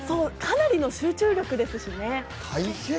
かなりの集中力ですしね。